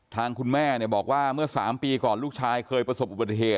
ทางคุณแม่บอกว่าเมื่อ๓ปีก่อนลูกชายเคยประสบอุบัติเหตุ